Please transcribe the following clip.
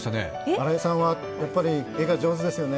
新井さんはやっぱり絵が上手ですよね。